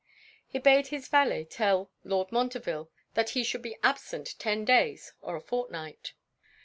He bade his valet tell Lord Montreville that he should be absent ten days or a fortnight.